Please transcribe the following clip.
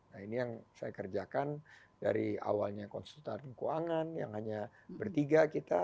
nah ini yang saya kerjakan dari awalnya konsultan keuangan yang hanya bertiga kita